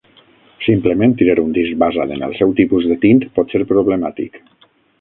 Simplement triar un disc basat en el seu tipus de tint pot ser problemàtic.